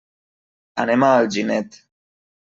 Anem a Alginet.